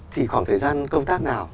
thì khoảng thời gian công tác nào